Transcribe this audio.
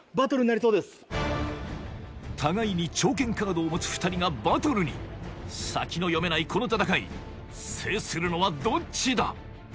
互いに長剣カードを持つ２人がバトルに先の読めないこの戦い制するのはどっちだ？